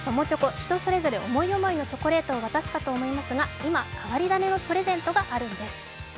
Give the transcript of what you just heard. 人それぞれ思い思いのチョコレートを渡すかと思いますが、今、変わり種のプレゼントがあるんです。